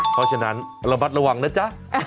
เพราะฉะนั้นระมัดระวังนะจ๊ะ